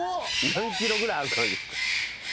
何ｋｇぐらいある感じっすか？